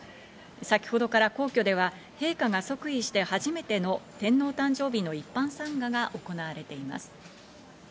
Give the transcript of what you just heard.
先ほどから皇居では陛下が即位して初めての天皇誕生日の一般参賀が行われています。